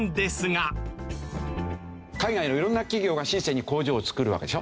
海外の色んな企業が深センに工場を造るわけでしょ。